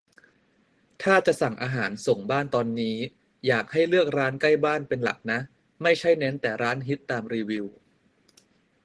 ถ้าจะสั่งอาหารส่งบ้านตอนนี้ อยากให้เลือกร้านใกล้บ้านเป็นหลักนะ ไม่ใช่เน้นแต่ร้านฮิตตามรีวิว